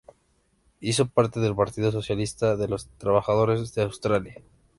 Hizo parte del Partido Socialista de los Trabajadores de Australia.